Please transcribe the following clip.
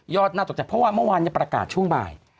น่าตกใจเพราะว่าเมื่อวานยังประกาศช่วงบ่าย